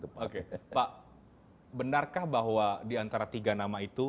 pak benarkah bahwa diantara tiga nama itu